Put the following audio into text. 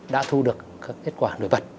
đã thu được các kết quả nổi bật